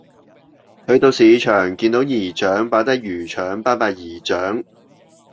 去到市場見到姨丈擺低魚腸拜拜姨丈